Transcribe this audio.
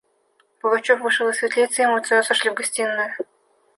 Пугачев вышел из светлицы, и мы трое сошли в гостиную.